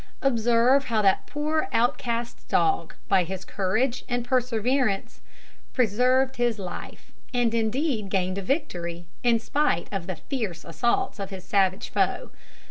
Observe how that poor outcast dog, by his courage and perseverance, preserved his life, and indeed gained a victory, in spite of the fierce assaults of his savage foe.